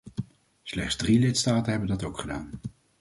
Slechts drie lidstaten hebben dat ook gedaan.